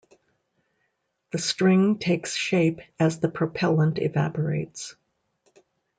The string takes shape as the propellant evaporates.